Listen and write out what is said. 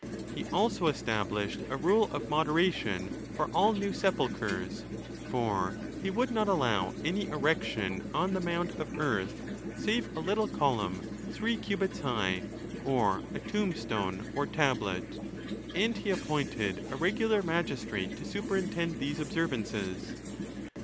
He also established a rule of moderation for all new sepulchres— for he would not allow any erection om the mound. of earth, save a little column, three cubits high, or a tomb stone, or tablet ; and he appointed a regular magistrate to superintend these observances.